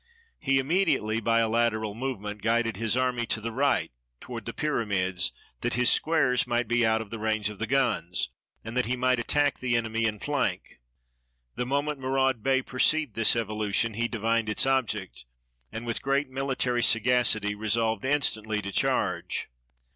He imme diately, by a lateral movement, guided his army to the right, toward the pyramids, that his squares might be out of the range of the guns, and that he might attack the enemy in flank. The moment Mourad Bey per ceived this evolution, he divined its object, and, with great military sagacity, resolved instantly to charge.